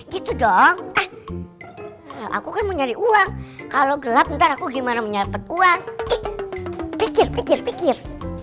gitu dong aku kan mau nyari uang kalau gelap ntar aku gimana menyalakan uang pikir pikir pikir